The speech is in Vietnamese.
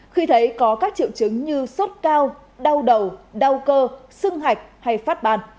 khi thấy có các triệu chứng như sốt cao đau đầu đau cơ sưng hạch hay phát ban